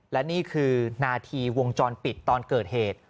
และนี่คือนาทีวงจรปิดตอนเกิดเหตุ